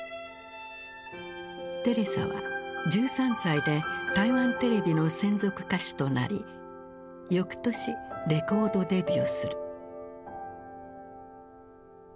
テレサは１３歳で台湾テレビの専属歌手となり翌年レコードデビューする。